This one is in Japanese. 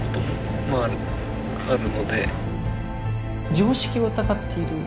常識を疑っている。